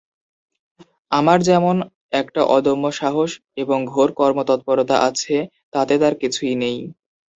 আমার যেমন একটা অদম্য সাহস এবং ঘোর কর্মতৎপরতা আছে, তাঁতে তার কিছুই নেই।